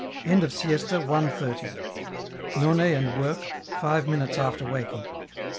End of Siesta. 1.30. None and work, five minutes after waking.